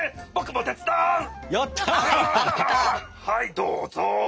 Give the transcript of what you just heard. はいどうぞ。